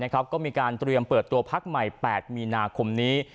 ก็มีการเปิดตัวปักใหม่๘มีนาคมนี้